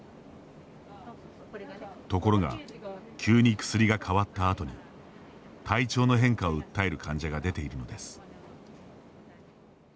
ところが急に薬が変わったあとに体調の変化を訴える患者が出ているのです。